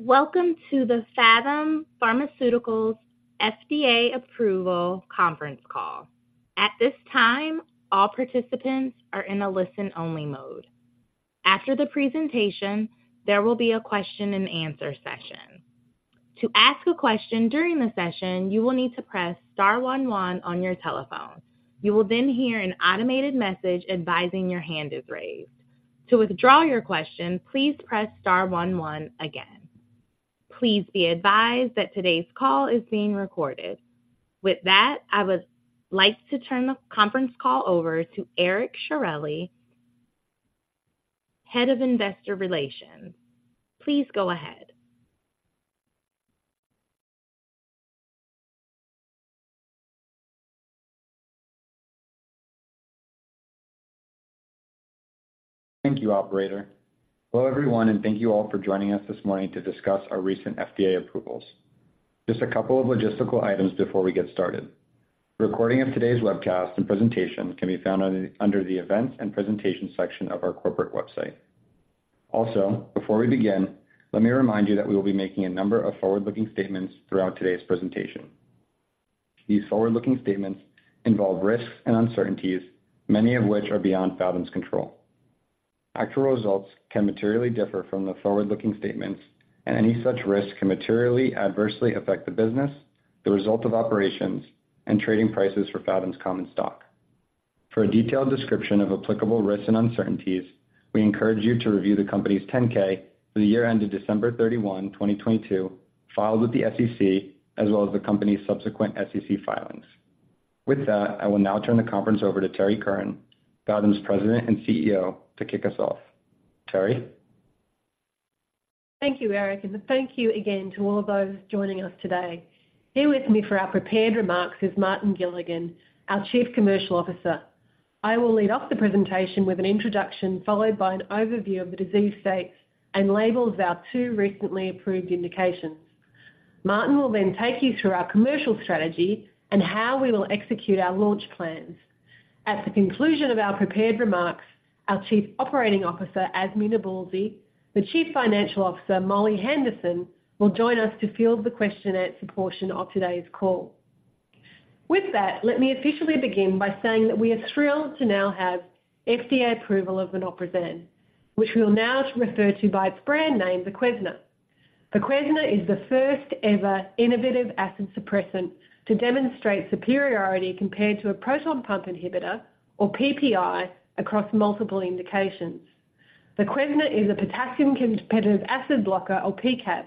Welcome to the Phathom Pharmaceuticals FDA approval conference call. At this time, all participants are in a listen-only mode. After the presentation, there will be a question and answer session. To ask a question during the session, you will need to press star one one on your telephone. You will then hear an automated message advising your hand is raised. To withdraw your question, please press star one one again. Please be advised that today's call is being recorded. With that, I would like to turn the conference call over to Eric Sciorilli, Head of Investor Relations. Please go ahead. Thank you, operator. Hello, everyone, and thank you all for joining us this morning to discuss our recent FDA approvals. Just a couple of logistical items before we get started. A recording of today's webcast and presentation can be found under the Events and Presentation section of our corporate website. Also, before we begin, let me remind you that we will be making a number of forward-looking statements throughout today's presentation. These forward-looking statements involve risks and uncertainties, many of which are beyond Phathom's control. Actual results can materially differ from the forward-looking statements, and any such risks can materially adversely affect the business, the results of operations, and trading prices for Phathom's common stock. For a detailed description of applicable risks and uncertainties, we encourage you to review the company's 10-K for the year ended December 31, 2022, filed with the SEC, as well as the company's subsequent SEC filings. With that, I will now turn the conference over to Terrie Curran, Phathom's President and CEO, to kick us off. Terrie? Thank you, Eric, and thank you again to all those joining us today. Here with me for our prepared remarks is Martin Gilligan, our Chief Commercial Officer. I will lead off the presentation with an introduction, followed by an overview of the disease states and labels of our two recently approved indications. Martin will then take you through our commercial strategy and how we will execute our launch plans. At the conclusion of our prepared remarks, our Chief Operating Officer, Azmi Nabulsi, the Chief Financial Officer, Molly Henderson, will join us to field the question and answer portion of today's call. With that, let me officially begin by saying that we are thrilled to now have FDA approval of vonoprazan, which we will now refer to by its brand name, VOQUEZNA. VOQUEZNA is the first ever innovative acid suppressant to demonstrate superiority compared to a proton pump inhibitor or PPI, across multiple indications. VOQUEZNA is a potassium competitive acid blocker or P-CAB,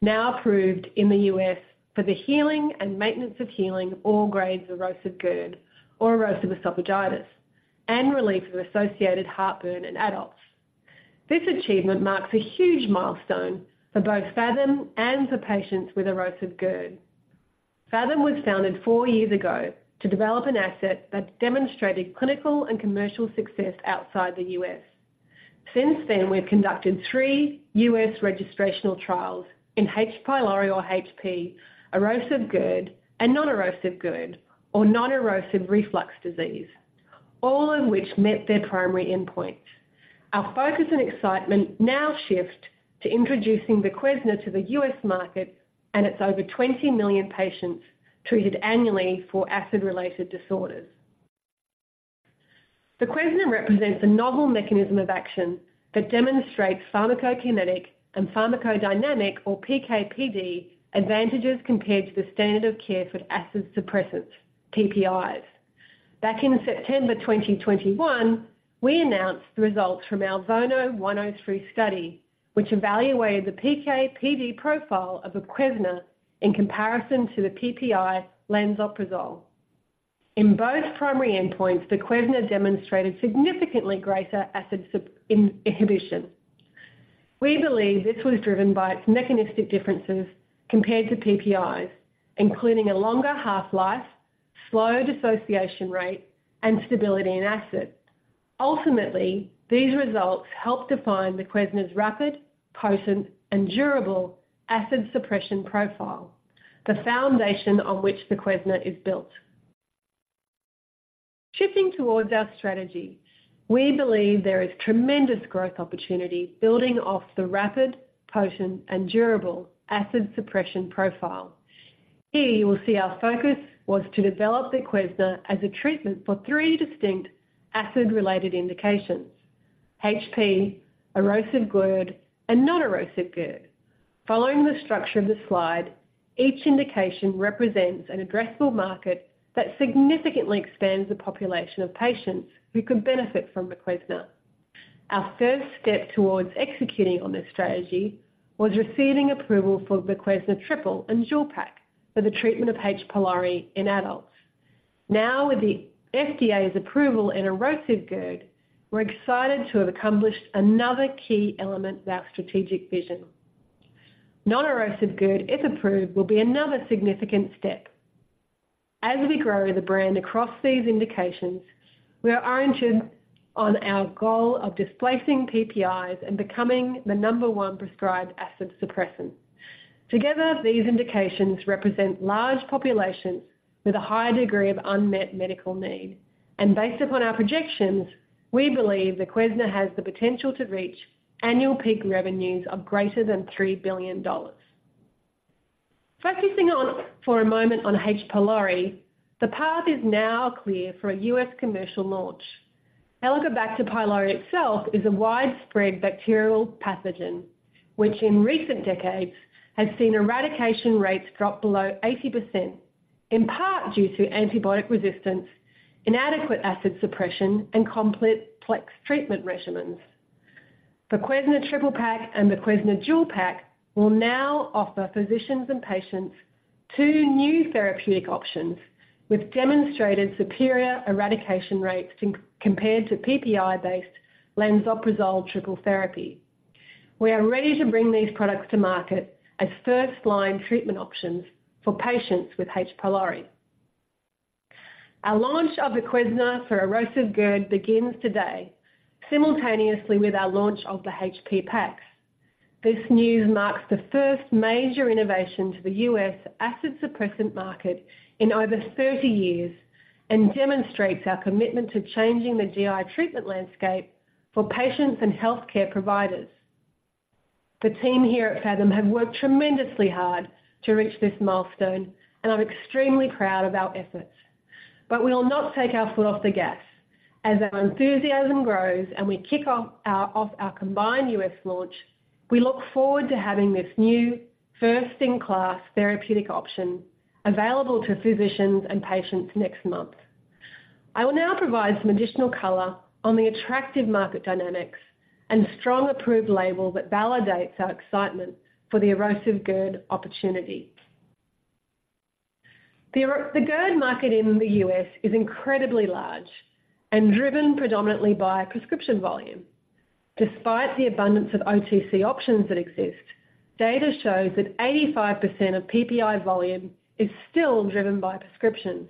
now approved in the U.S. for the healing and maintenance of healing, all grades of erosive GERD or erosive esophagitis, and relief of associated heartburn in adults. This achievement marks a huge milestone for both Phathom and for patients with erosive GERD. Phathom was founded four years ago to develop an asset that demonstrated clinical and commercial success outside the U.S. Since then, we've conducted three U.S. registrational trials in H. pylori or HP, erosive GERD, and non-erosive GERD, or non-erosive reflux disease, all of which met their primary endpoint. Our focus and excitement now shift to introducing VOQUEZNA to the U.S. market and its over 20 million patients treated annually for acid-related disorders. VOQUEZNA represents a novel mechanism of action that demonstrates pharmacokinetic and pharmacodynamic, or PK/PD, advantages compared to the standard of care for acid suppressants, PPIs. Back in September 2021, we announced the results from our VONO-103 study, which evaluated the PK/PD profile of VOQUEZNA in comparison to the PPI lansoprazole. In both primary endpoints, VOQUEZNA demonstrated significantly greater acid suppression. We believe this was driven by its mechanistic differences compared to PPIs, including a longer half-life, slow dissociation rate, and stability in acid. Ultimately, these results helped define VOQUEZNA's rapid, potent, and durable acid suppression profile, the foundation on which VOQUEZNA is built. Shifting towards our strategy, we believe there is tremendous growth opportunity building off the rapid, potent, and durable acid suppression profile. Here, you will see our focus was to develop VOQUEZNA as a treatment for three distinct acid-related indications: HP, erosive GERD, and non-erosive GERD. Following the structure of the slide, each indication represents an addressable market that significantly expands the population of patients who could benefit from VOQUEZNA. Our first step towards executing on this strategy was receiving approval for VOQUEZNA Triple Pak and Dual Pak for the treatment of H. pylori in adults. Now, with the FDA's approval in erosive GERD, we're excited to have accomplished another key element of our strategic vision. Non-erosive GERD, if approved, will be another significant step. As we grow the brand across these indications, we are oriented on our goal of displacing PPIs and becoming the number one prescribed acid suppressant.... Together, these indications represent large populations with a high degree of unmet medical need. Based upon our projections, we believe VOQUEZNA has the potential to reach annual peak revenues of greater than $3 billion. Focusing on, for a moment, H. pylori, the path is now clear for a U.S. commercial launch. Helicobacter pylori itself is a widespread bacterial pathogen, which in recent decades has seen eradication rates drop below 80%, in part due to antibiotic resistance, inadequate acid suppression, and complex treatment regimens. The VOQUEZNA Triple Pak and the VOQUEZNA Dual Pak will now offer physicians and patients two new therapeutic options, with demonstrated superior eradication rates compared to PPI-based lansoprazole triple therapy. We are ready to bring these products to market as first-line treatment options for patients with H. pylori. Our launch of VOQUEZNA for erosive GERD begins today, simultaneously with our launch of the HP packs. This news marks the first major innovation to the U.S. acid suppressant market in over 30 years and demonstrates our commitment to changing the GI treatment landscape for patients and healthcare providers. The team here at Phathom have worked tremendously hard to reach this milestone, and I'm extremely proud of our efforts. But we will not take our foot off the gas. As our enthusiasm grows and we kick off our combined U.S. launch, we look forward to having this new first-in-class therapeutic option available to physicians and patients next month. I will now provide some additional color on the attractive market dynamics and strong approved label that validates our excitement for the erosive GERD opportunity. The GERD market in the U.S. is incredibly large and driven predominantly by prescription volume. Despite the abundance of OTC options that exist, data shows that 85% of PPI volume is still driven by prescriptions.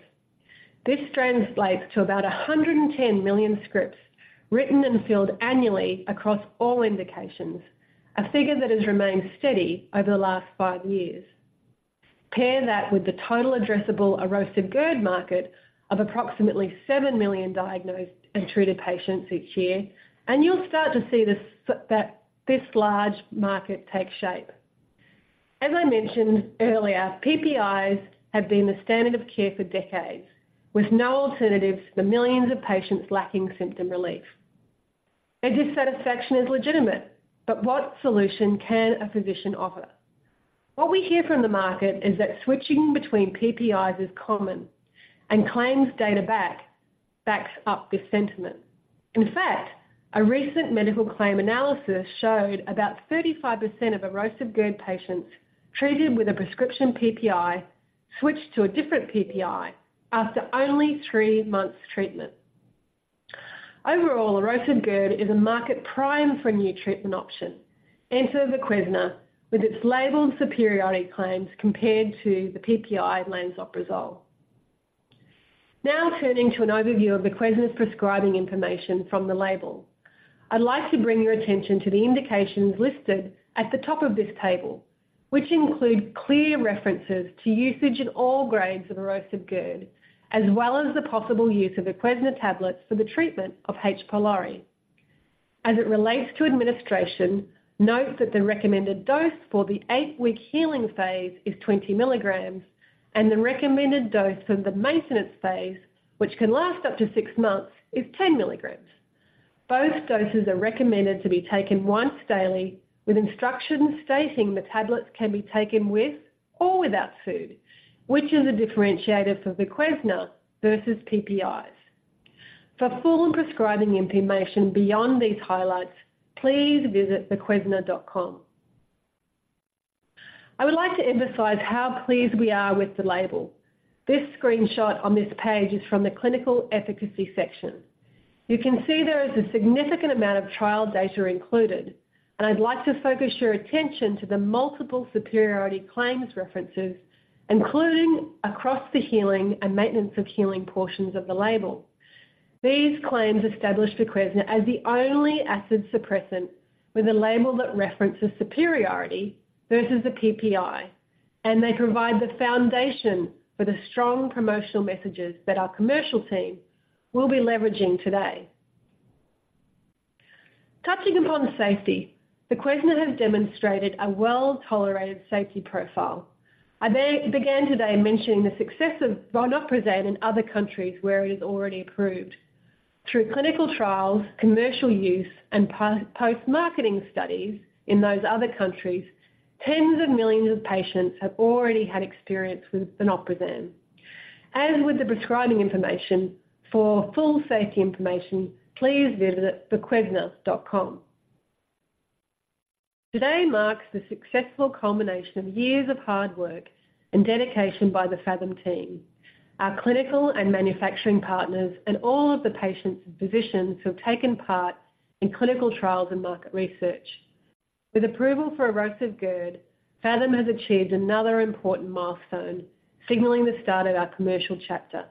This translates to about 110 million scripts written and filled annually across all indications, a figure that has remained steady over the last 5 years. Pair that with the total addressable erosive GERD market of approximately 7 million diagnosed and treated patients each year, and you'll start to see that this large market take shape. As I mentioned earlier, PPIs have been the standard of care for decades, with no alternatives for millions of patients lacking symptom relief. Their dissatisfaction is legitimate, but what solution can a physician offer? What we hear from the market is that switching between PPIs is common, and claims data backs up this sentiment. In fact, a recent medical claim analysis showed about 35% of erosive GERD patients treated with a prescription PPI switched to a different PPI after only 3 months' treatment. Overall, erosive GERD is a market ripe for a new treatment option. Enter VOQUEZNA, with its labeled superiority claims compared to the PPI lansoprazole. Now, turning to an overview of VOQUEZNA's prescribing information from the label. I'd like to bring your attention to the indications listed at the top of this table, which include clear references to usage in all grades of erosive GERD, as well as the possible use of VOQUEZNA tablets for the treatment of H. pylori. As it relates to administration, note that the recommended dose for the 8-week healing phase is 20 milligrams, and the recommended dose for the maintenance phase, which can last up to 6 months, is 10 milligrams. Both doses are recommended to be taken once daily, with instructions stating the tablets can be taken with or without food, which is a differentiator for VOQUEZNA versus PPIs. For full prescribing information beyond these highlights, please visit voquezna.com. I would like to emphasize how pleased we are with the label. This screenshot on this page is from the clinical efficacy section. You can see there is a significant amount of trial data included, and I'd like to focus your attention to the multiple superiority claims references, including across the healing and maintenance of healing portions of the label. These claims establish VOQUEZNA as the only acid suppressant with a label that references superiority versus a PPI, and they provide the foundation for the strong promotional messages that our commercial team will be leveraging today. Touching upon safety, VOQUEZNA has demonstrated a well-tolerated safety profile. I began today mentioning the success of vonoprazan in other countries where it is already approved. Through clinical trials, commercial use, and post-marketing studies in those other countries, tens of millions of patients have already had experience with vonoprazan. As with the prescribing information, for full safety information, please visit voquezna.com. Today marks the successful culmination of years of hard work and dedication by the Phathom team, our clinical and manufacturing partners, and all of the patients and physicians who have taken part in clinical trials and market research. With approval for erosive GERD, Phathom has achieved another important milestone, signaling the start of our commercial chapter.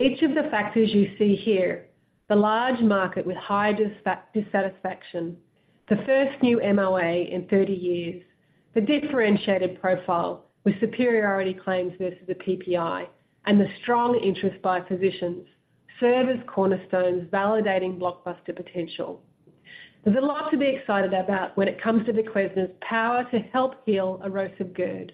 Each of the factors you see here, the large market with high dissatisfaction, the first new MOA in 30 years, the differentiated profile with superiority claims versus the PPI, and the strong interest by physicians, serve as cornerstones validating blockbuster potential. There's a lot to be excited about when it comes to VOQUEZNA's power to help heal erosive GERD.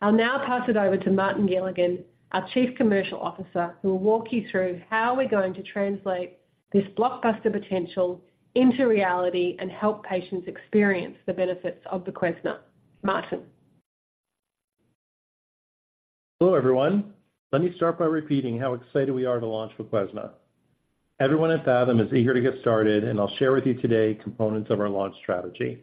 I'll now pass it over to Martin Gilligan, our Chief Commercial Officer, who will walk you through how we're going to translate this blockbuster potential into reality and help patients experience the benefits of VOQUEZNA. Martin? Hello, everyone. Let me start by repeating how excited we are to launch VOQUEZNA. Everyone at Phathom is eager to get started, and I'll share with you today components of our launch strategy.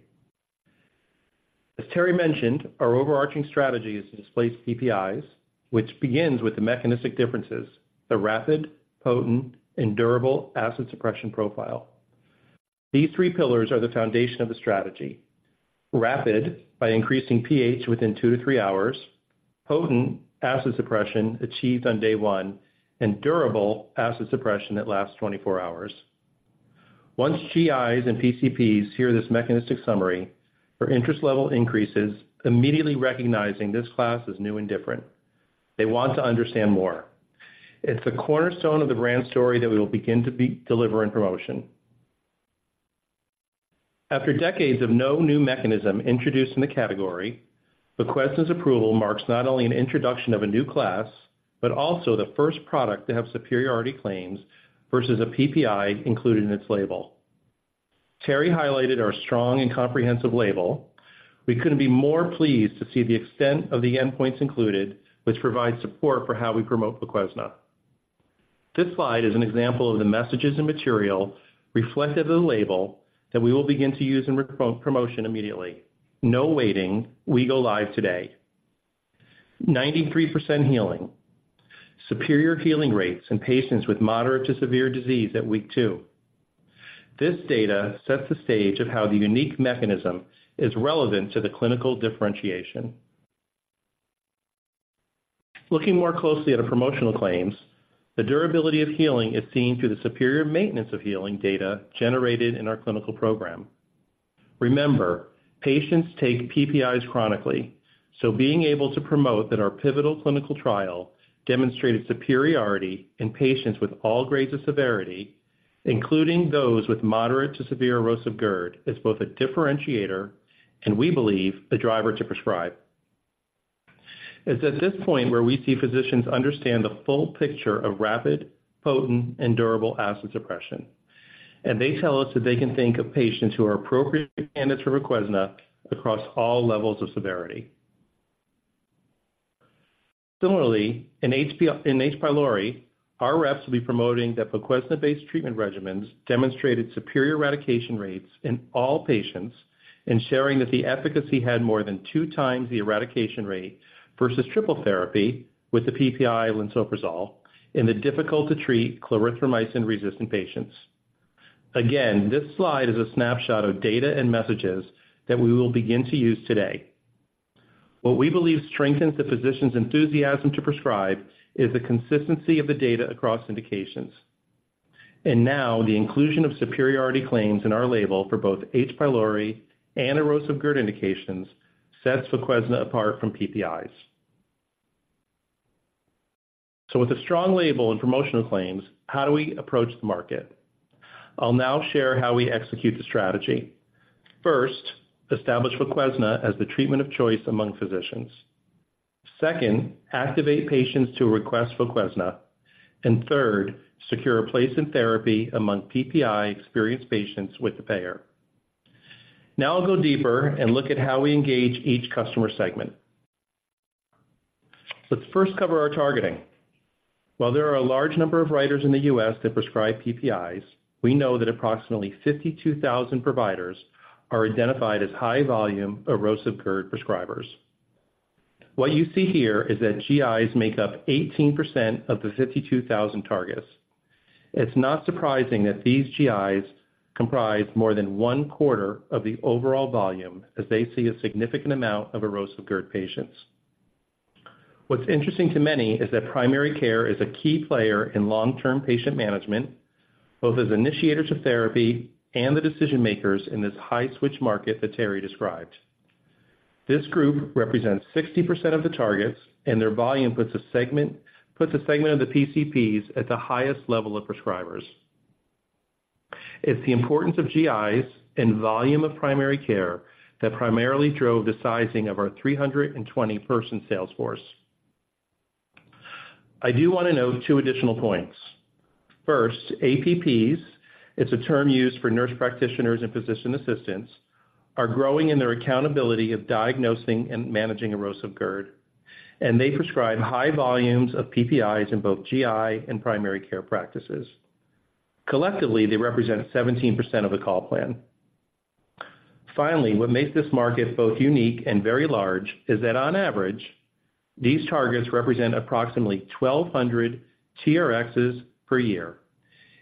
As Terrie mentioned, our overarching strategy is to displace PPIs, which begins with the mechanistic differences, the rapid, potent, and durable acid suppression profile. These three pillars are the foundation of the strategy. Rapid, by increasing pH within 2-3 hours, potent acid suppression achieved on day one, and durable acid suppression that lasts 24 hours. Once GIs and PCPs hear this mechanistic summary, their interest level increases, immediately recognizing this class is new and different. They want to understand more. It's the cornerstone of the brand story that we will begin to be, deliver in promotion. After decades of no new mechanism introduced in the category, VOQUEZNA's approval marks not only an introduction of a new class, but also the first product to have superiority claims versus a PPI included in its label. Terrie highlighted our strong and comprehensive label. We couldn't be more pleased to see the extent of the endpoints included, which provide support for how we promote VOQUEZNA. This slide is an example of the messages and material reflective of the label that we will begin to use in pre-promotion immediately. No waiting, we go live today. 93% healing, superior healing rates in patients with moderate to severe disease at week two. This data sets the stage of how the unique mechanism is relevant to the clinical differentiation. Looking more closely at the promotional claims, the durability of healing is seen through the superior maintenance of healing data generated in our clinical program. Remember, patients take PPIs chronically, so being able to promote that our pivotal clinical trial demonstrated superiority in patients with all grades of severity, including those with moderate to severe erosive GERD, is both a differentiator and, we believe, a driver to prescribe. It's at this point where we see physicians understand the full picture of rapid, potent, and durable acid suppression, and they tell us that they can think of patients who are appropriate candidates for VOQUEZNA across all levels of severity. Similarly, in H. pylori. pylori, our reps will be promoting that VOQUEZNA-based treatment regimens demonstrated superior eradication rates in all patients, and sharing that the efficacy had more than 2 times the eradication rate versus triple therapy with the PPI lansoprazole in the difficult-to-treat clarithromycin-resistant patients. Again, this slide is a snapshot of data and messages that we will begin to use today. What we believe strengthens the physician's enthusiasm to prescribe is the consistency of the data across indications. Now, the inclusion of superiority claims in our label for both H. pylori and erosive GERD indications sets VOQUEZNA apart from PPIs. So with a strong label and promotional claims, how do we approach the market? I'll now share how we execute the strategy. First, establish VOQUEZNA as the treatment of choice among physicians. Second, activate patients to request VOQUEZNA. And third, secure a place in therapy among PPI-experienced patients with the payer. Now I'll go deeper and look at how we engage each customer segment. Let's first cover our targeting. While there are a large number of writers in the U.S. that prescribe PPIs, we know that approximately 52,000 providers are identified as high-volume, erosive GERD prescribers. What you see here is that GIs make up 18% of the 52,000 targets. It's not surprising that these GIs comprise more than one quarter of the overall volume, as they see a significant amount of erosive GERD patients. What's interesting to many is that primary care is a key player in long-term patient management, both as initiators of therapy and the decision-makers in this high-switch market that Terrie described. This group represents 60% of the targets, and their volume puts a segment of the PCPs at the highest level of prescribers. It's the importance of GIs and volume of primary care that primarily drove the sizing of our 320-person sales force. I do want to note two additional points. First, APPs, it's a term used for nurse practitioners and physician assistants, are growing in their accountability of diagnosing and managing erosive GERD, and they prescribe high volumes of PPIs in both GI and primary care practices. Collectively, they represent 17% of the call plan. Finally, what makes this market both unique and very large is that on average, these targets represent approximately 1,200 TRXs per year.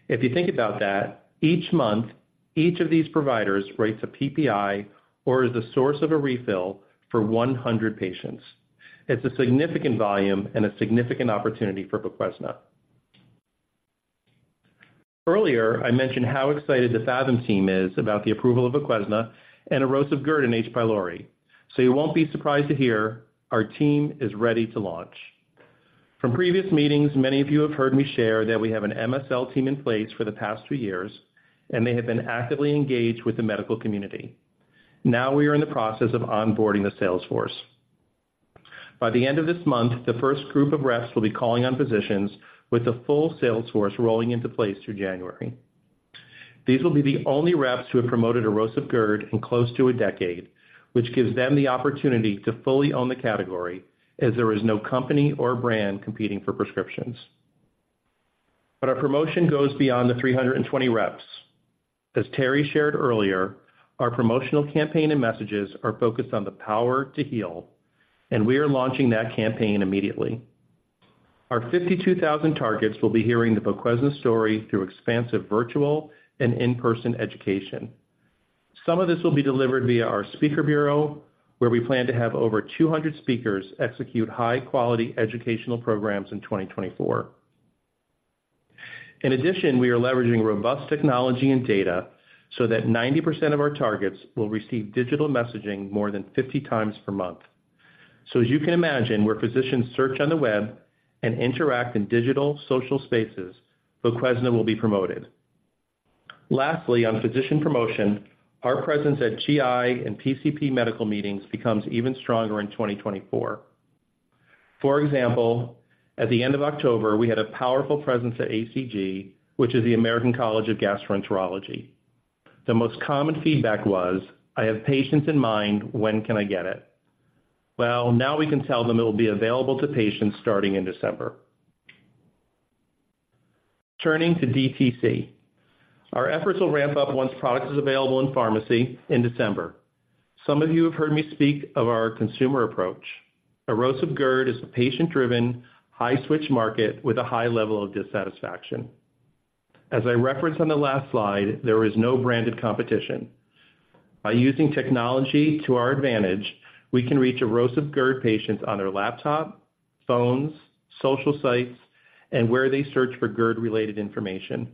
If you think about that, each month, each of these providers writes a PPI or is the source of a refill for 100 patients. It's a significant volume and a significant opportunity for VOQUEZNA. Earlier, I mentioned how excited the Phathom team is about the approval of VOQUEZNA and erosive GERD and H. pylori. So you won't be surprised to hear our team is ready to launch. From previous meetings, many of you have heard me share that we have an MSL team in place for the past two years, and they have been actively engaged with the medical community. Now we are in the process of onboarding the sales force. By the end of this month, the first group of reps will be calling on physicians, with the full sales force rolling into place through January. These will be the only reps who have promoted erosive GERD in close to a decade, which gives them the opportunity to fully own the category as there is no company or brand competing for prescriptions. But our promotion goes beyond the 320 reps. As Terrie shared earlier, our promotional campaign and messages are focused on the power to heal, and we are launching that campaign immediately. Our 52,000 targets will be hearing the VOQUEZNA story through expansive virtual and in-person education. Some of this will be delivered via our speaker bureau, where we plan to have over 200 speakers execute high-quality educational programs in 2024. In addition, we are leveraging robust technology and data so that 90% of our targets will receive digital messaging more than 50 times per month. So as you can imagine, where physicians search on the web and interact in digital social spaces, VOQUEZNA will be promoted. Lastly, on physician promotion, our presence at GI and PCP medical meetings becomes even stronger in 2024. For example, at the end of October, we had a powerful presence at ACG, which is the American College of Gastroenterology. The most common feedback was, "I have patients in mind. When can I get it?" Well, now we can tell them it will be available to patients starting in December. Turning to DTC, our efforts will ramp up once product is available in pharmacy in December. Some of you have heard me speak of our consumer approach. Erosive GERD is a patient-driven, high-switch market with a high level of dissatisfaction. As I referenced on the last slide, there is no branded competition. By using technology to our advantage, we can reach erosive GERD patients on their laptop, phones, social sites, and where they search for GERD-related information,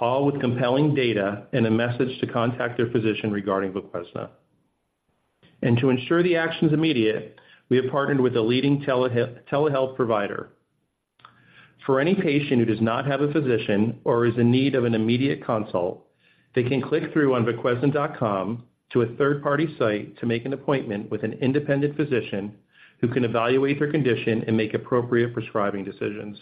all with compelling data and a message to contact their physician regarding VOQUEZNA. To ensure the action is immediate, we have partnered with a leading telehealth provider. For any patient who does not have a physician or is in need of an immediate consult, they can click through on VOQUEZNA.com to a third-party site to make an appointment with an independent physician, who can evaluate their condition and make appropriate prescribing decisions.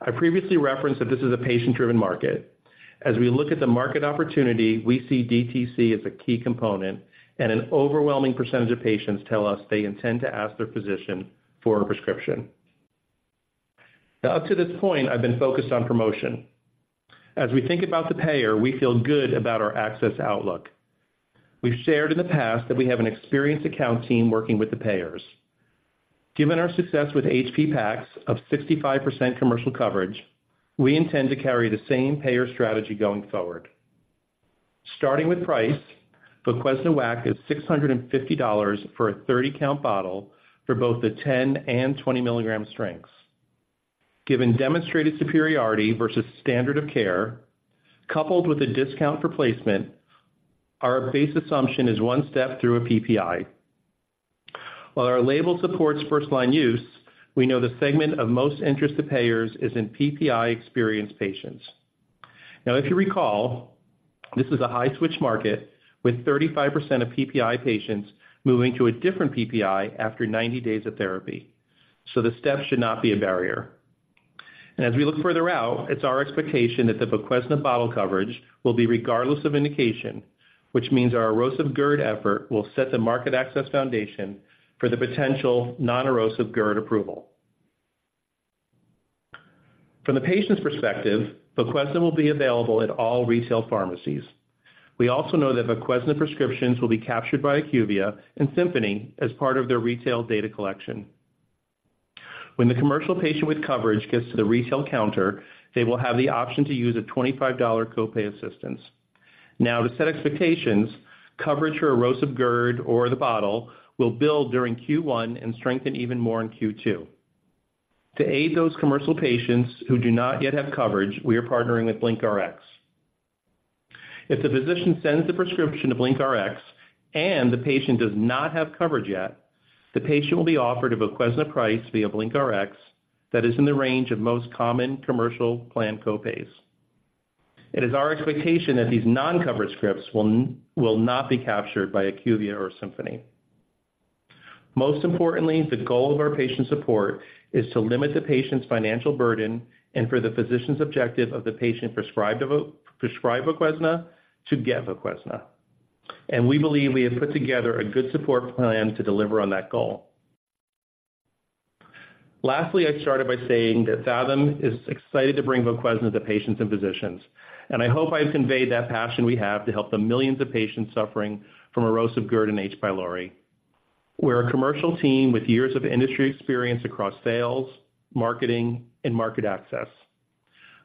I previously referenced that this is a patient-driven market. As we look at the market opportunity, we see DTC as a key component, and an overwhelming percentage of patients tell us they intend to ask their physician for a prescription. Now, up to this point, I've been focused on promotion. As we think about the payer, we feel good about our access outlook. We've shared in the past that we have an experienced account team working with the payers. Given our success with H. pylori packs of 65% commercial coverage, we intend to carry the same payer strategy going forward. Starting with price, VOQUEZNA WAC is $650 for a 30-count bottle for both the 10- and 20-milligram strengths. Given demonstrated superiority versus standard of care, coupled with a discount for placement, our base assumption is one step through a PPI. While our label supports first-line use, we know the segment of most interest to payers is in PPI-experienced patients. Now, if you recall, this is a high-switch market with 35% of PPI patients moving to a different PPI after 90 days of therapy, so the step should not be a barrier. As we look further out, it's our expectation that the VOQUEZNA bottle coverage will be regardless of indication, which means our erosive GERD effort will set the market access foundation for the potential non-erosive GERD approval. From the patient's perspective, VOQUEZNA will be available at all retail pharmacies. We also know that VOQUEZNA prescriptions will be captured by IQVIA and Symphony as part of their retail data collection. When the commercial patient with coverage gets to the retail counter, they will have the option to use a $25 copay assistance. Now, to set expectations, coverage for erosive GERD or the bottle will build during Q1 and strengthen even more in Q2. To aid those commercial patients who do not yet have coverage, we are partnering with BlinkRx. If the physician sends the prescription to BlinkRx and the patient does not have coverage yet, the patient will be offered a VOQUEZNA price via BlinkRx that is in the range of most common commercial plan copays. It is our expectation that these non-covered scripts will not be captured by IQVIA or Symphony. Most importantly, the goal of our patient support is to limit the patient's financial burden and for the physician's objective of the patient prescribe VOQUEZNA to get VOQUEZNA. And we believe we have put together a good support plan to deliver on that goal. Lastly, I started by saying that Phathom is excited to bring VOQUEZNA to patients and physicians, and I hope I've conveyed that passion we have to help the millions of patients suffering from erosive GERD and H. We're a commercial team with years of industry experience across sales, marketing, and market access,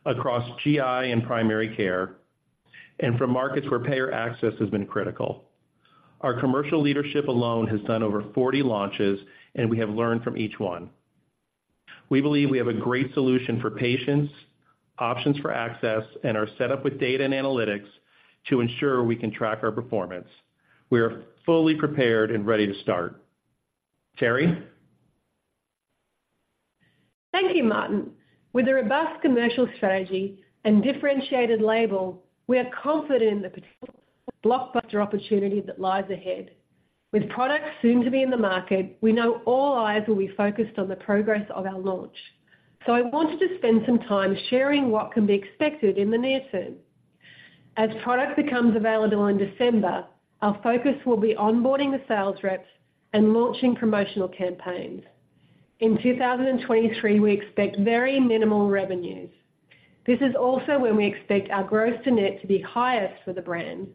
across GI and primary care, and from markets where payer access has been critical. Our commercial leadership alone has done over 40 launches, and we have learned from each one. We believe we have a great solution for patients, options for access, and are set up with data and analytics to ensure we can track our performance. We are fully prepared and ready to start. Terrie? Thank you, Martin. With a robust commercial strategy and differentiated label, we are confident in the potential blockbuster opportunity that lies ahead. With products soon to be in the market, we know all eyes will be focused on the progress of our launch. So I wanted to spend some time sharing what can be expected in the near term. As product becomes available in December, our focus will be onboarding the sales reps and launching promotional campaigns. In 2023, we expect very minimal revenues. This is also when we expect our gross to net to be highest for the brand,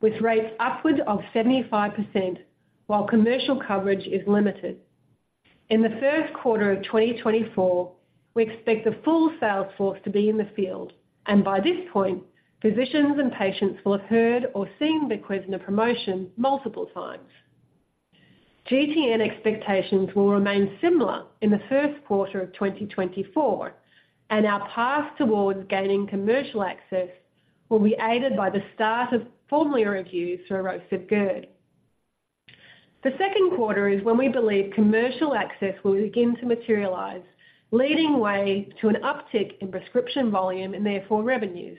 with rates upward of 75%, while commercial coverage is limited. In the first quarter of 2024, we expect the full sales force to be in the field, and by this point, physicians and patients will have heard or seen the VOQUEZNA promotion multiple times. GTN expectations will remain similar in the first quarter of 2024, and our path towards gaining commercial access will be aided by the start of formulary reviews for erosive GERD. The second quarter is when we believe commercial access will begin to materialize, leading the way to an uptick in prescription volume and therefore revenues.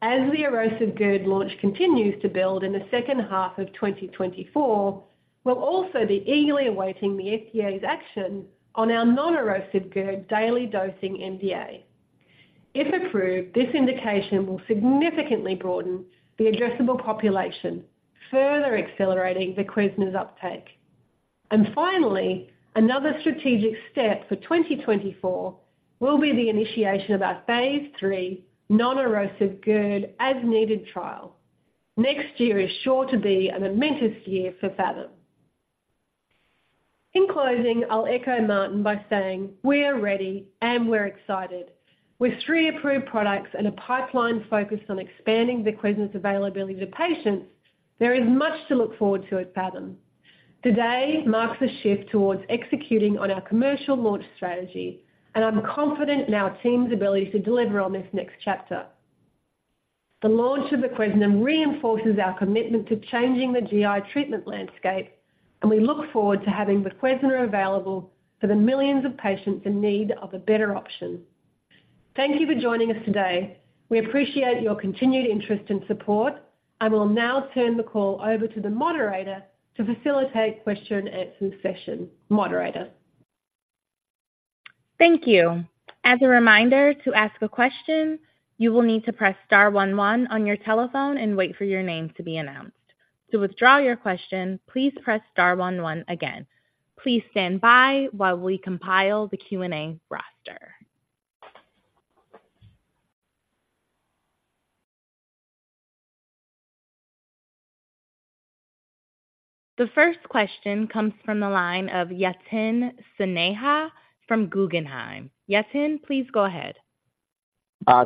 As the erosive GERD launch continues to build in the second half of 2024, we'll also be eagerly awaiting the FDA's action on our non-erosive GERD daily dosing NDA. If approved, this indication will significantly broaden the addressable population, further accelerating VOQUEZNA's uptake. Finally, another strategic step for 2024 will be the initiation of our phase 3 non-erosive GERD as-needed trial. Next year is sure to be a momentous year for Phathom. In closing, I'll echo Martin by saying we are ready and we're excited. With three approved products and a pipeline focused on expanding the VOQUEZNA's availability to patients, there is much to look forward to at Phathom. Today marks a shift towards executing on our commercial launch strategy, and I'm confident in our team's ability to deliver on this next chapter. The launch of VOQUEZNA reinforces our commitment to changing the GI treatment landscape, and we look forward to having VOQUEZNA available for the millions of patients in need of a better option. Thank you for joining us today. We appreciate your continued interest and support. I will now turn the call over to the moderator to facilitate question and answer session. Moderator? Thank you. As a reminder, to ask a question, you will need to press star one one on your telephone and wait for your name to be announced. To withdraw your question, please press star one one again. Please stand by while we compile the Q&A roster. The first question comes from the line of Yatin Suneja from Guggenheim. Yatin, please go ahead.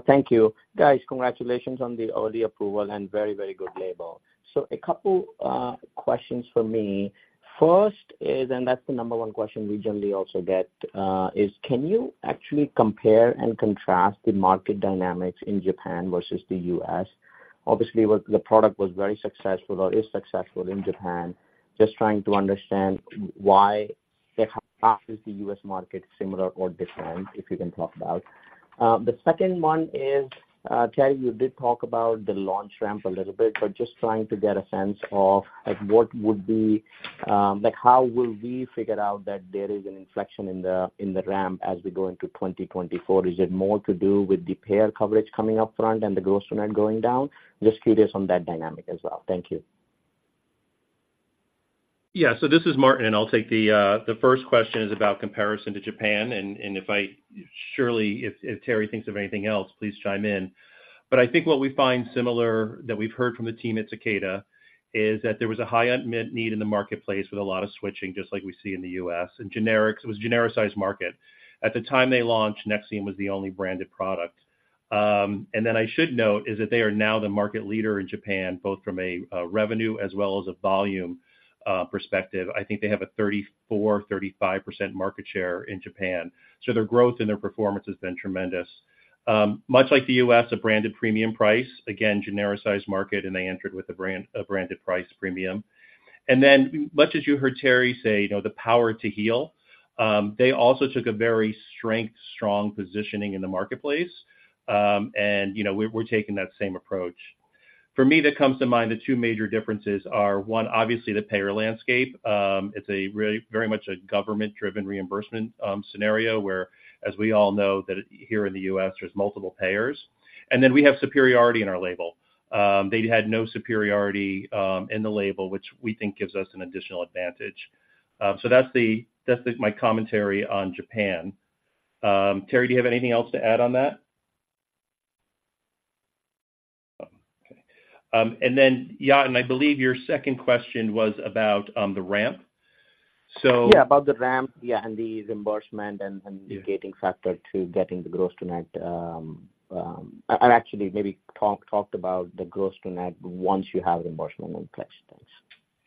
Thank you. Guys, congratulations on all the approval and very, very good label. So a couple questions for me. First is, and that's the number one question we generally also get, is can you actually compare and contrast the market dynamics in Japan versus the U.S.? Obviously, the product was very successful or is successful in Japan. Just trying to understand why, how is the U.S. market similar or different, if you can talk about? The second one is, Terrie, you did talk about the launch ramp a little bit, but just trying to get a sense of like, what would be, like, how will we figure out that there is an inflection in the ramp as we go into 2024? Is it more to do with the payer coverage coming up front and the gross net going down? Just curious on that dynamic as well. Thank you. Yeah. So this is Martin, and I'll take the first question, which is about comparison to Japan. And if I surely, if Terri thinks of anything else, please chime in. But I think what we find similar, that we've heard from the team at Takeda, is that there was a high unmet need in the marketplace with a lot of switching, just like we see in the U.S. And generics, it was genericized market. At the time they launched, Nexium was the only branded product. And then I should note is that they are now the market leader in Japan, both from a revenue as well as a volume perspective. I think they have a 34%-35% market share in Japan. So their growth and their performance has been tremendous. Much like the U.S., a branded premium price, again, genericized market, and they entered with a brand, a branded price premium. And then much as you heard Terri say, you know, the power to heal, they also took a very strong positioning in the marketplace. And you know, we're taking that same approach. For me, that comes to mind, the two major differences are, one, obviously the payer landscape. It's a very, very much a government-driven reimbursement scenario, where, as we all know, that here in the U.S., there's multiple payers. And then we have superiority in our label. They had no superiority in the label, which we think gives us an additional advantage. So that's my commentary on Japan. Terri, do you have anything else to add on that?... And then, Jan, I believe your second question was about the ramp. So- Yeah, about the ramp, yeah, and the reimbursement and the gating factor to getting the gross to net. Or actually maybe talk about the gross to net once you have reimbursement in place. Thanks.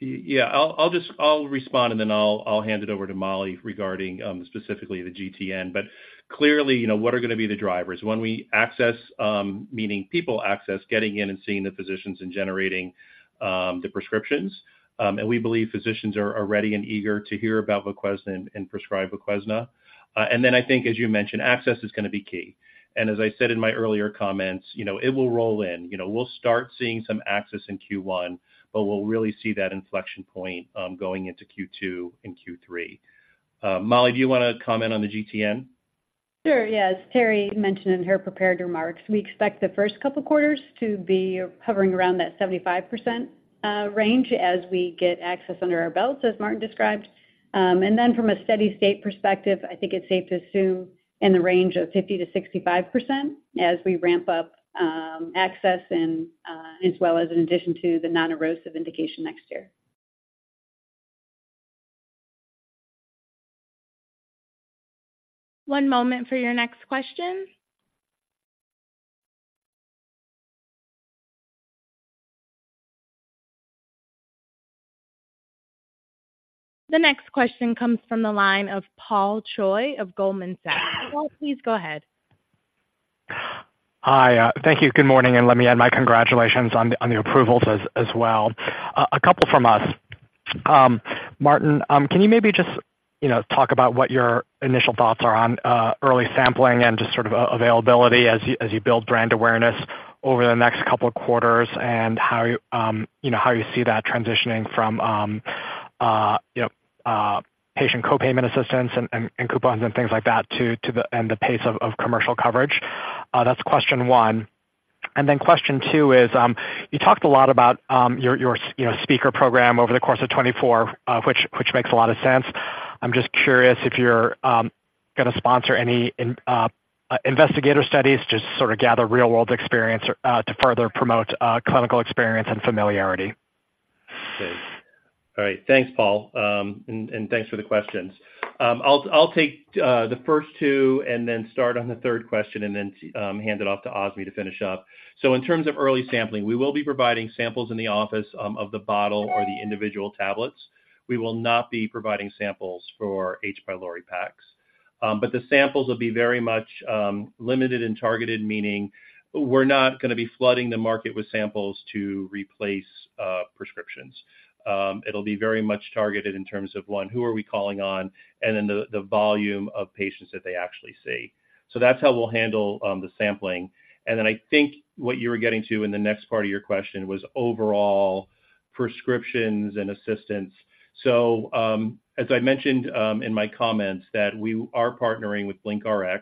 Yeah, I'll just respond, and then I'll hand it over to Molly regarding specifically the GTN. But clearly, you know, what are gonna be the drivers? When we access, meaning people access, getting in and seeing the physicians and generating the prescriptions, and we believe physicians are ready and eager to hear about VOQUEZNA and prescribe VOQUEZNA. And then I think, as you mentioned, access is gonna be key. And as I said in my earlier comments, you know, it will roll in. You know, we'll start seeing some access in Q1, but we'll really see that inflection point going into Q2 and Q3. Molly, do you wanna comment on the GTN? Sure, yes. Terrie mentioned in her prepared remarks, we expect the first couple of quarters to be hovering around that 75% range as we get access under our belts, as Martin described. And then from a steady state perspective, I think it's safe to assume in the range of 50%-65% as we ramp up access and as well as in addition to the non-erosive indication next year. One moment for your next question. The next question comes from the line of Paul Choi of Goldman Sachs. Paul, please go ahead. Hi. Thank you. Good morning, and let me add my congratulations on the approvals as well. A couple from us. Martin, can you maybe just, you know, talk about what your initial thoughts are on early sampling and just sort of availability as you build brand awareness over the next couple of quarters, and how, you know, how you see that transitioning from patient co-payment assistance and coupons and things like that to the pace of commercial coverage? That's question one. And then question two is, you talked a lot about your speaker program over the course of 2024, which makes a lot of sense. I'm just curious if you're gonna sponsor any investigator studies to sort of gather real-world experience to further promote clinical experience and familiarity. Okay. All right. Thanks, Paul. And thanks for the questions. I'll take the first two and then start on the third question and then hand it off to Azmi to finish up. So in terms of early sampling, we will be providing samples in the office of the bottle or the individual tablets. We will not be providing samples for H. pylori packs, but the samples will be very much limited and targeted, meaning we're not gonna be flooding the market with samples to replace prescriptions. It'll be very much targeted in terms of, one, who are we calling on, and then the volume of patients that they actually see. So that's how we'll handle the sampling. Then I think what you were getting to in the next part of your question was overall prescriptions and assistance. So, as I mentioned in my comments, that we are partnering with BlinkRx.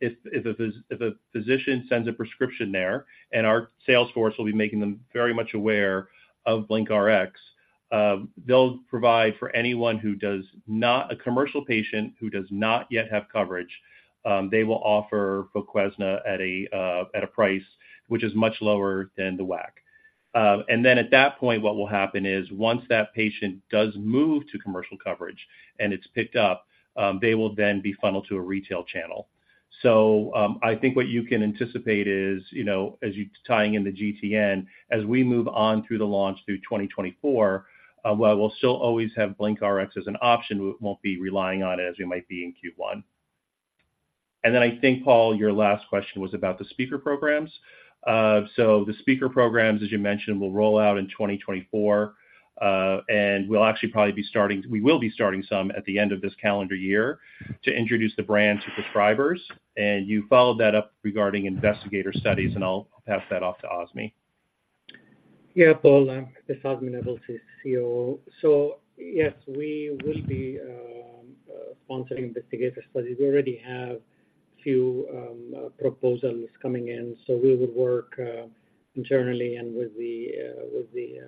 If a physician sends a prescription there, and our sales force will be making them very much aware of BlinkRx, they'll provide for anyone who does not... A commercial patient who does not yet have coverage, they will offer VOQUEZNA at a price which is much lower than the WAC. And then at that point, what will happen is once that patient does move to commercial coverage and it's picked up, they will then be funneled to a retail channel. I think what you can anticipate is, you know, as you tying in the GTN, as we move on through the launch through 2024, while we'll still always have Blink Rx as an option, we won't be relying on it as we might be in Q1. Then I think, Paul, your last question was about the speaker programs. So the speaker programs, as you mentioned, will roll out in 2024, and we will be starting some at the end of this calendar year to introduce the brand to prescribers, and you followed that up regarding investigator studies, and I'll pass that off to Azmi. Yeah, Paul, it's Azmi Nabulsi, CEO. So yes, we will be sponsoring investigator studies. We already have a few proposals coming in, so we would work internally and with the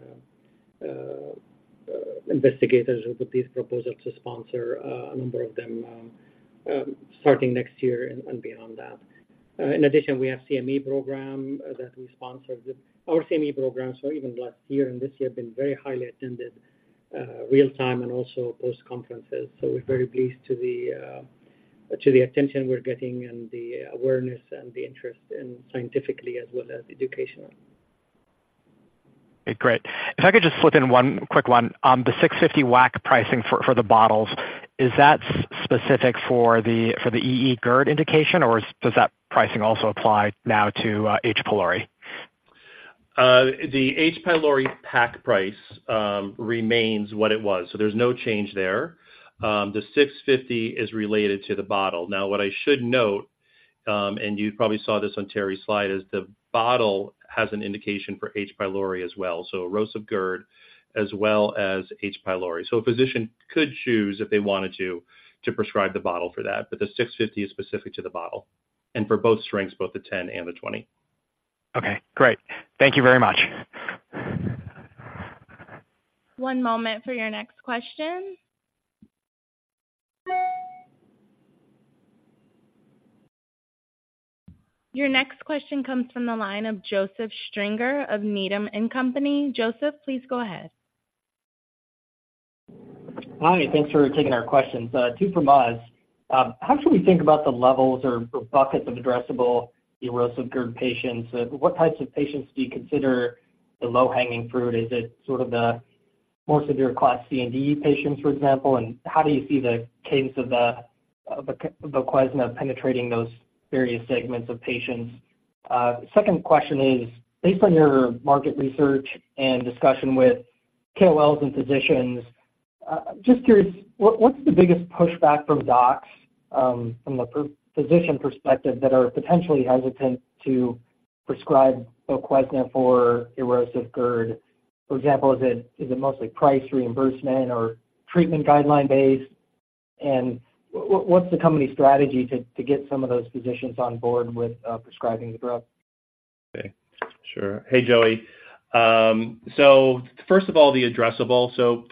investigators with these proposals to sponsor a number of them starting next year and beyond that. In addition, we have CME program that we sponsor. Our CME programs for even last year and this year have been very highly attended real-time and also post-conferences. So we're very pleased to the attention we're getting and the awareness and the interest in scientifically as well as educationally. Great. If I could just slip in one quick one. The $650 WAC pricing for the bottles, is that specific for the EE GERD indication, or does that pricing also apply now to H. pylori? The H. pylori pack price remains what it was, so there's no change there. The $650 is related to the bottle. Now, what I should note, and you probably saw this on Terrie's slide, is the bottle has an indication for H. pylori as well, so erosive GERD as well as H. pylori. So a physician could choose, if they wanted to, to prescribe the bottle for that, but the $650 is specific to the bottle, and for both strengths, both the 10 and the 20. Okay, great. Thank you very much. One moment for your next question. Your next question comes from the line of Joseph Stringer of Needham and Company. Joseph, please go ahead. Hi, thanks for taking our questions. Two from us. How should we think about the levels or, or buckets of addressable erosive GERD patients? What types of patients do you consider the low-hanging fruit? Is it sort of the more severe class C and D patients, for example? And how do you see the cadence of the, of VOQUEZNA penetrating those various segments of patients? Second question is, based on your market research and discussion with KOLs and physicians, just curious, what, what's the biggest pushback from docs, from a per-physician perspective, that are potentially hesitant to prescribe VOQUEZNA for erosive GERD? For example, is it, is it mostly price reimbursement or treatment guideline-based? And what's the company's strategy to, to get some of those physicians on board with, prescribing the drug? Okay, sure. Hey, Joey. So first of all, the addressable. So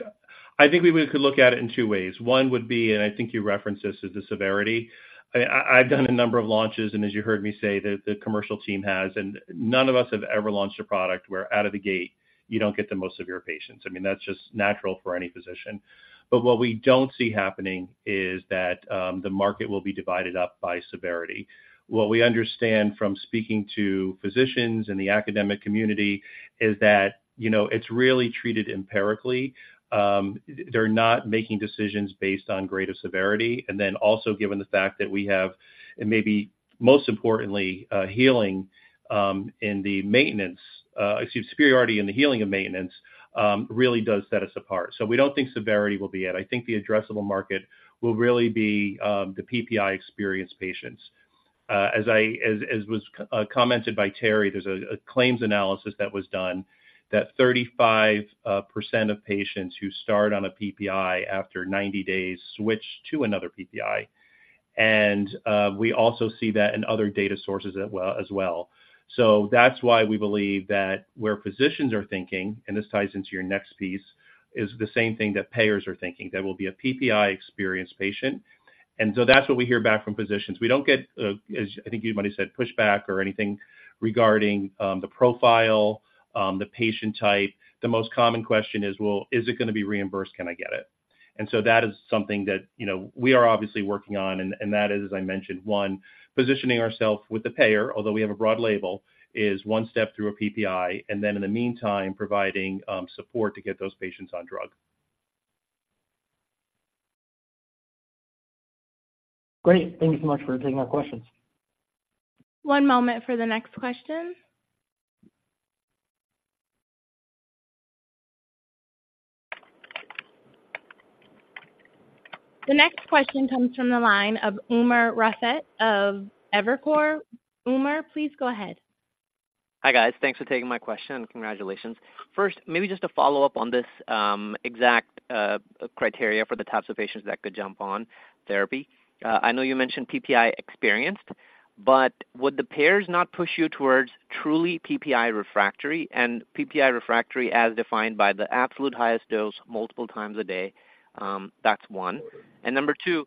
I think we could look at it in two ways. One would be, and I think you referenced this, is the severity. I've done a number of launches, and as you heard me say, the commercial team has, and none of us have ever launched a product where out of the gate, you don't get the most severe patients. I mean, that's just natural for any physician. But what we don't see happening is that, the market will be divided up by severity. What we understand from speaking to physicians in the academic community is that, you know, it's really treated empirically. They're not making decisions based on grade of severity, and then also given the fact that we have, and maybe most importantly, healing in the maintenance, excuse me, superiority in the healing of maintenance, really does set us apart. So we don't think severity will be it. I think the addressable market will really be the PPI-experienced patients. As was commented by Terrie, there's a claims analysis that was done that 35% of patients who start on a PPI after 90 days switch to another PPI, and we also see that in other data sources as well, as well. So that's why we believe that where physicians are thinking, and this ties into your next piece, is the same thing that payers are thinking. There will be a PPI-experienced patient, and so that's what we hear back from physicians. We don't get, as I think you might have said, pushback or anything regarding the profile, the patient type. The most common question is, well, is it gonna be reimbursed? Can I get it? And so that is something that, you know, we are obviously working on, and that is, as I mentioned, one, positioning ourself with the payer, although we have a broad label, is one step through a PPI, and then in the meantime, providing support to get those patients on drug. Great. Thank you so much for taking my questions. One moment for the next question. The next question comes from the line of Umer Raffat of Evercore. Umar, please go ahead. Hi, guys. Thanks for taking my question, and congratulations. First, maybe just to follow up on this, exact criteria for the types of patients that could jump on therapy. I know you mentioned PPI-experienced, but would the pairs not push you towards truly PPI refractory, and PPI refractory as defined by the absolute highest dose multiple times a day? That's one. And number two,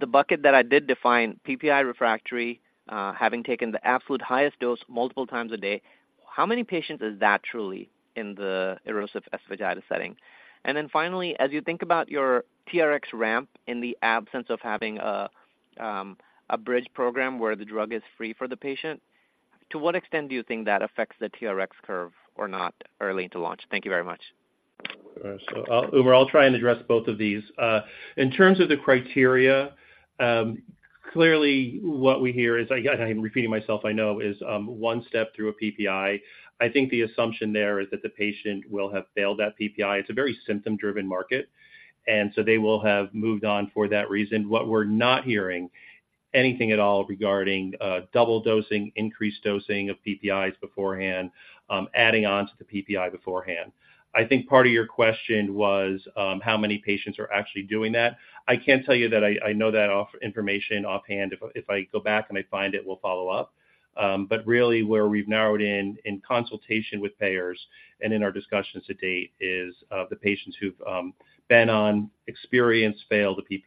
the bucket that I did define PPI refractory, having taken the absolute highest dose multiple times a day, how many patients is that truly in the erosive esophagitis setting? And then finally, as you think about your TRX ramp in the absence of having a bridge program where the drug is free for the patient, to what extent do you think that affects the TRX curve or not early into launch? Thank you very much. So Umar, I'll try and address both of these. In terms of the criteria, clearly, what we hear is, I'm repeating myself, I know, is one step through a PPI. I think the assumption there is that the patient will have failed that PPI. It's a very symptom-driven market, and so they will have moved on for that reason. What we're not hearing anything at all regarding double dosing, increased dosing of PPIs beforehand, adding on to the PPI beforehand. I think part of your question was how many patients are actually doing that? I can't tell you that I know that information offhand. If I go back and find it, we'll follow up. But really, where we've narrowed in, in consultation with payers and in our discussions to date is the patients who've been on, experienced, failed the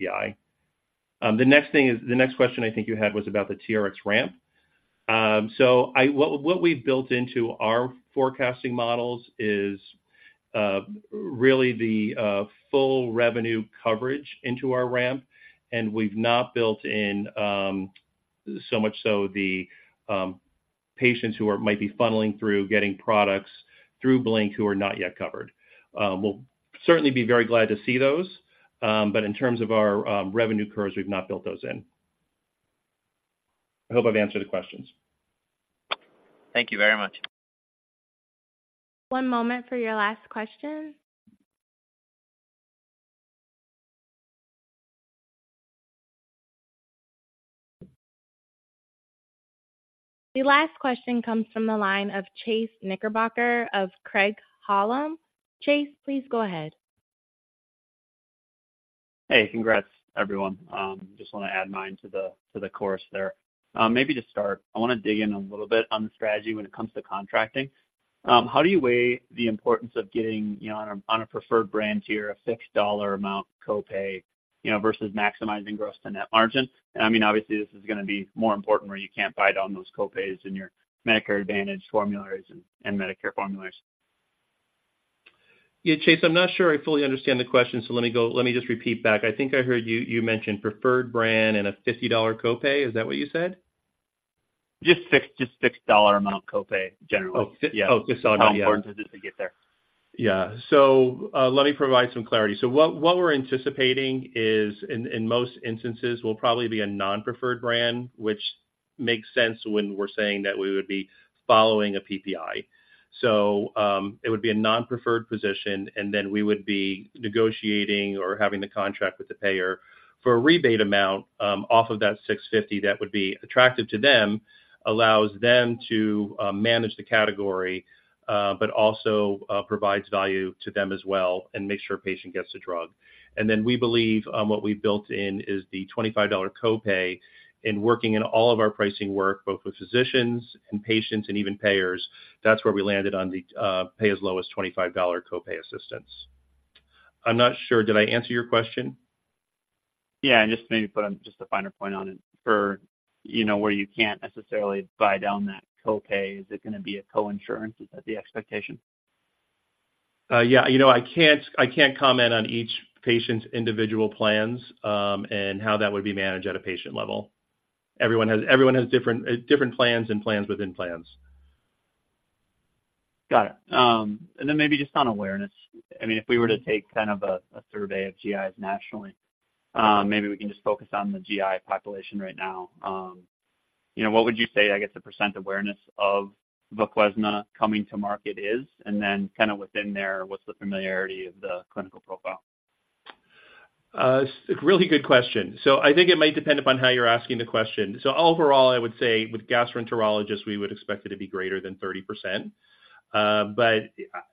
PPI. The next thing is the next question I think you had was about the TRX ramp. So, what we've built into our forecasting models is really the full revenue coverage into our ramp, and we've not built in so much so the patients who might be funneling through, getting products through Blink, who are not yet covered. We'll certainly be very glad to see those, but in terms of our revenue curves, we've not built those in. I hope I've answered the questions. Thank you very much. One moment for your last question. The last question comes from the line of Chase Knickerbocker of Craig-Hallum. Chase, please go ahead. Hey, congrats, everyone. Just wanna add mine to the chorus there. Maybe to start, I wanna dig in a little bit on the strategy when it comes to contracting. ... How do you weigh the importance of getting, you know, on a preferred brand tier, a fixed dollar amount copay, you know, versus maximizing gross-to-net margin? And I mean, obviously, this is going to be more important where you can't buy down those copays in your Medicare Advantage formularies and Medicare formularies. Yeah, Chase, I'm not sure I fully understand the question, so let me just repeat back. I think I heard you, you mentioned preferred brand and a $50 copay. Is that what you said? Just fixed dollar amount copay, generally. Oh, oh, just on, yeah. How important is it to get there? Yeah. So, let me provide some clarity. So what we're anticipating is, in most instances, will probably be a non-preferred brand, which makes sense when we're saying that we would be following a PPI. So, it would be a non-preferred position, and then we would be negotiating or having the contract with the payer for a rebate amount, off of that $650, that would be attractive to them, allows them to manage the category, but also provides value to them as well and makes sure patient gets the drug. And then we believe, what we built in is the $25 copay in working in all of our pricing work, both with physicians and patients and even payers. That's where we landed on the, pay as low as $25 copay assistance. I'm not sure. Did I answer your question? Yeah, and just maybe put just a finer point on it for, you know, where you can't necessarily buy down that copay, is it going to be a coinsurance? Is that the expectation? Yeah, you know, I can't, I can't comment on each patient's individual plans, and how that would be managed at a patient level. Everyone has, everyone has different, different plans and plans within plans. Got it. And then maybe just on awareness. I mean, if we were to take kind of a survey of GIs nationally, maybe we can just focus on the GI population right now. You know, what would you say, I guess, the percent awareness of VOQUEZNA coming to market is, and then kind of within there, what's the familiarity of the clinical profile? It's a really good question. So I think it might depend upon how you're asking the question. So overall, I would say with gastroenterologists, we would expect it to be greater than 30%. But,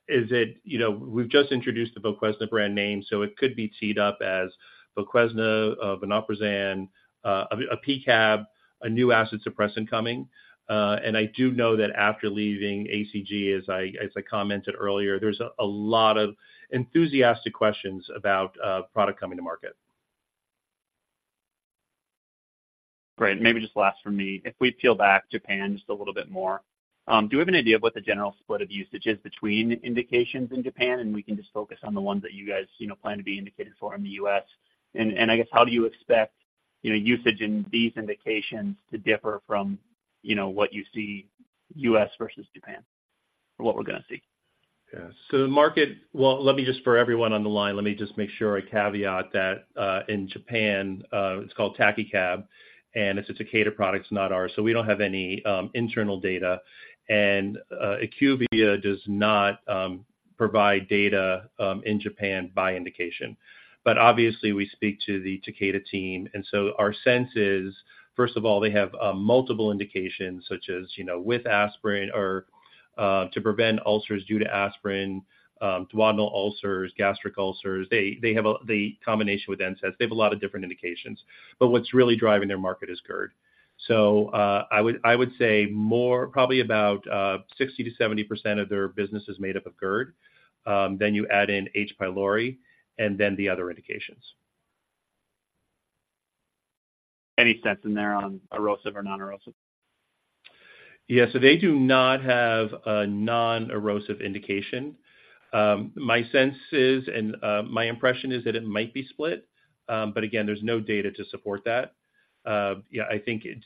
is it... You know, we've just introduced the VOQUEZNA brand name, so it could be teed up as VOQUEZNA, vonoprazan, a P-CAB, a new acid suppressant coming. And I do know that after leaving ACG, as I, as I commented earlier, there's a, a lot of enthusiastic questions about, product coming to market. Great. Maybe just last for me. If we peel back Japan just a little bit more, do you have an idea of what the general split of usage is between indications in Japan? And we can just focus on the ones that you guys, you know, plan to be indicated for in the U.S. And, and I guess, how do you expect, you know, usage in these indications to differ from, you know, what you see U.S. versus Japan, or what we're going to see? Yeah. So the market— Well, let me just for everyone on the line, let me just make sure I caveat that, in Japan, it's called Takecab, and it's a Takeda product, it's not ours, so we don't have any internal data. And, IQVIA does not provide data in Japan by indication. But obviously, we speak to the Takeda team, and so our sense is, first of all, they have multiple indications, such as, you know, with aspirin or to prevent ulcers due to aspirin, duodenal ulcers, gastric ulcers. They have the combination with NSAIDs. They have a lot of different indications, but what's really driving their market is GERD. So, I would say more, probably about 60%-70% of their business is made up of GERD. Then you add in H. pylori and then the other indications. Any sense in there on erosive or non-erosive? Yeah, so they do not have a non-erosive indication. My sense is, and, my impression is that it might be split, but again, there's no data to support that. Yeah, I think it,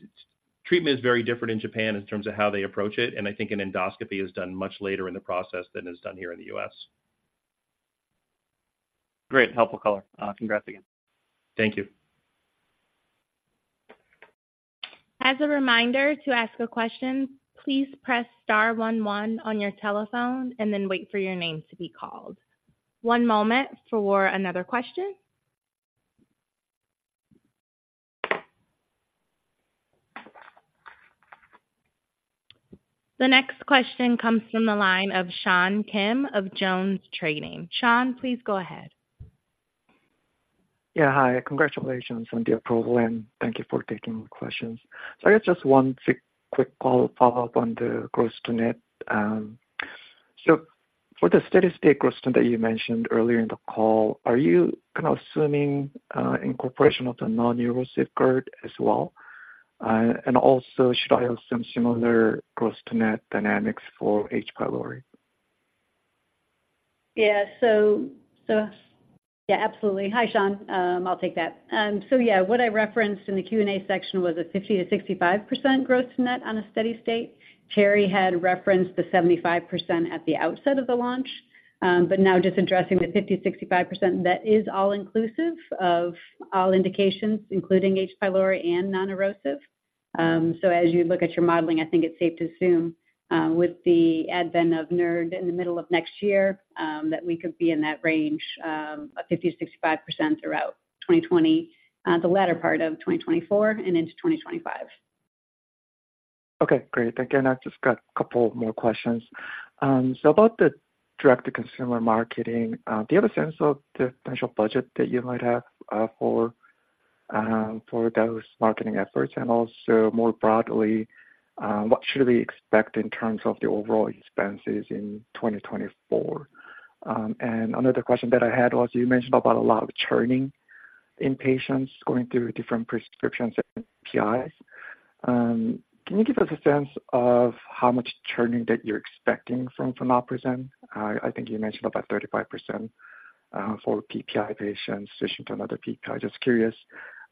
treatment is very different in Japan in terms of how they approach it, and I think an endoscopy is done much later in the process than is done here in the U.S. Great, helpful color. Congrats again. Thank you. As a reminder to ask a question, please press star one one on your telephone and then wait for your names to be called. One moment for another question. The next question comes from the line of Sean Kim of Jones Trading. Sean, please go ahead. Yeah, hi. Congratulations on the approval, and thank you for taking the questions. So I guess just one quick follow-up on the gross to net. So for the steady-state question that you mentioned earlier in the call, are you kind of assuming incorporation of the non-erosive GERD as well? And also, should I have some similar gross to net dynamics for H. pylori? Yeah. So, so, yeah, absolutely. Hi, Sean. I'll take that. So yeah, what I referenced in the Q&A section was a 50%-65% gross to net on a steady state. Terry had referenced the 75% at the outset of the launch. But now just addressing the 50%-65%, that is all inclusive of all indications, including H. pylori and non-erosive. So as you look at your modeling, I think it's safe to assume with the advent of NERD in the middle of next year, that we could be in that range of 50%-65% throughout 2020, the latter part of 2024 and into 2025. Okay, great. Thank you. And I've just got a couple more questions. So about the direct-to-consumer marketing, do you have a sense of the potential budget that you might have for those marketing efforts, and also more broadly, what should we expect in terms of the overall expenses in 2024? And another question that I had was, you mentioned about a lot of churning in patients going through different prescriptions and PPIs. Can you give us a sense of how much churning that you're expecting from famotidine? I think you mentioned about 35% for PPI patients switching to another PPI. Just curious,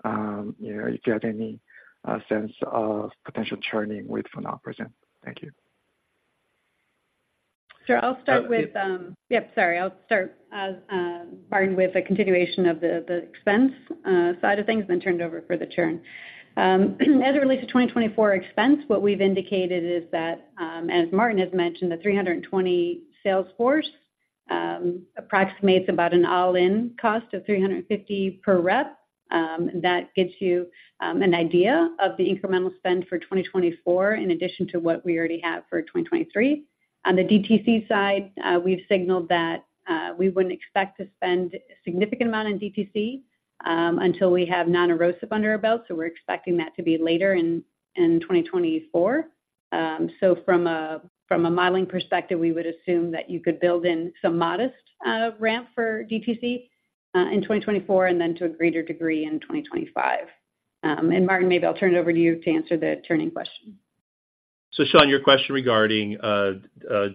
you know, if you had any sense of potential churning with famotidine. Thank you. Sure. I'll start with Martin with the continuation of the expense side of things, then turn it over for the churn. As it relates to 2024 expense, what we've indicated is that, as Martin has mentioned, the 320 sales force approximates about an all-in cost of $350 per rep. That gets you an idea of the incremental spend for 2024, in addition to what we already have for 2023. On the DTC side, we've signaled that we wouldn't expect to spend a significant amount on DTC until we have non-erosive under our belt, so we're expecting that to be later in 2024. So from a modeling perspective, we would assume that you could build in some modest ramp for DTC in 2024, and then to a greater degree, in 2025. And Martin, maybe I'll turn it over to you to answer the churning question. So Sean, your question regarding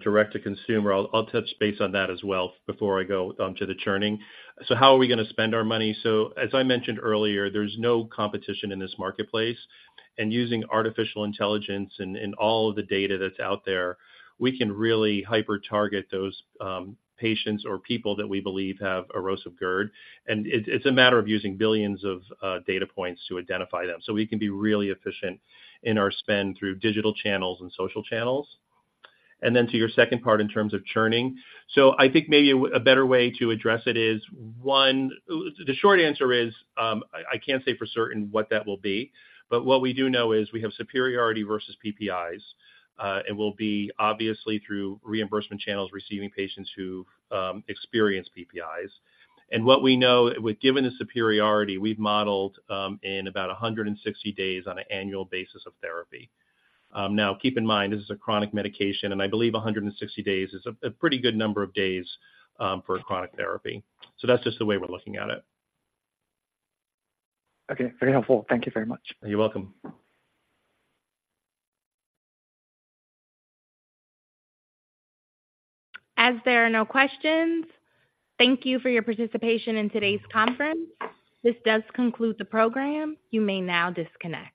direct-to-consumer, I'll touch base on that as well before I go to the churning. So how are we gonna spend our money? So, as I mentioned earlier, there's no competition in this marketplace, and using artificial intelligence and all of the data that's out there, we can really hyper target those patients or people that we believe have erosive GERD. And it, it's a matter of using billions of data points to identify them. So we can be really efficient in our spend through digital channels and social channels. And then to your second part, in terms of churning. So I think maybe a better way to address it is, one, the short answer is, I can't say for certain what that will be, but what we do know is we have superiority versus PPIs, and we'll be obviously through reimbursement channels, receiving patients who've experienced PPIs. And what we know, with given the superiority, we've modeled in about 160 days on an annual basis of therapy. Now keep in mind, this is a chronic medication, and I believe 160 days is a pretty good number of days for a chronic therapy. So that's just the way we're looking at it. Okay. Very helpful. Thank you very much. You're welcome. As there are no questions, thank you for your participation in today's conference. This does conclude the program. You may now disconnect.